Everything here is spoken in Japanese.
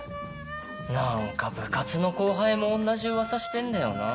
何か部活の後輩も同じ噂してんだよな。